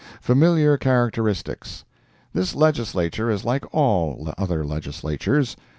FAMILIAR CHARACTERISTICS This Legislature is like all other Legislatures.